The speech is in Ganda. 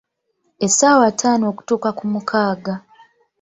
Essaawa ttaano okutuuka ku mukaaga.